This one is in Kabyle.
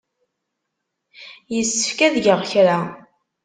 Yessefk ad geɣ kra.